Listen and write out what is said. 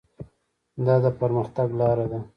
دا د پرمختګ لاره ده.